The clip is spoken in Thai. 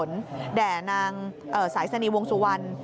ผลเอกบรวมวิทย์ก็ได้แดดนางสายสนิวงสุวรรณ